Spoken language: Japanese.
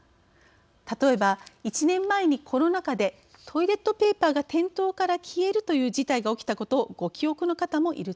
例えば１年前にコロナ禍でトイレットペーパーが店頭から消えるという事態が起きたことをご記憶の方もいると思います。